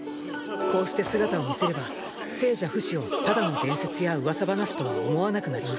こうして姿を見せれば聖者フシをただの伝説やウワサ話とは思わなくなります。